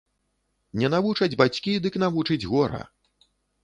Не навучаць бацькі, дык навучыць гора